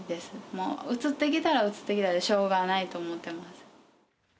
もううつってきたらうつってきたで、しょうがないと思ってます。